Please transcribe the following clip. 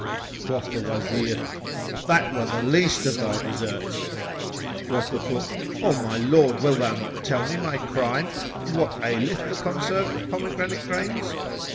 Quoth the Wazir, "That were the least of thy deserts!" Quoth the cook, "O my lord, wilt thou not tell me my crime and what aileth the conserve of pomegranate grains?"